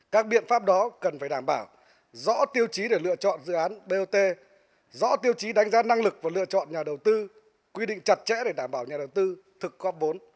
các biện pháp đó cần phải đảm bảo rõ tiêu chí để lựa chọn dự án bot rõ tiêu chí đánh giá năng lực và lựa chọn nhà đầu tư quy định chặt chẽ để đảm bảo nhà đầu tư thực góp vốn